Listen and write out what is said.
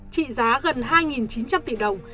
trị giá gần hai chín trăm linh tỷ đồng